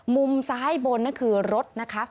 มุมซ้ายบนนั่นคือรถนะคะ